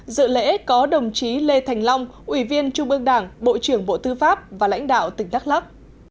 dự lễ có đồng chí lê thành long ủy viên trung ương đảng bộ trưởng bộ tư pháp và lãnh đạo tỉnh đắk lắc